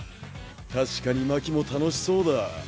確かに真希も楽しそうだ。